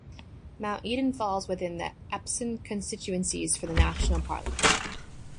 Mount Eden falls within the Epsom constituencies for the national Parliament.